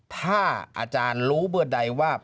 ถ้าอาจารย์รู้เมื่อใดว่า